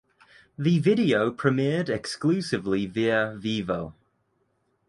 The video premiered exclusively via Vevo.